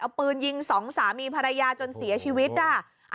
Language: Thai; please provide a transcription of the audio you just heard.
เอาปืนยิงสองสามีภรรยาจนเสียชีวิตอ่ะ